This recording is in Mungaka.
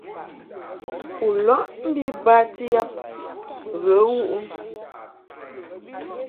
U lɔʼ mbi bati yab ghə wuʼ ɨ ?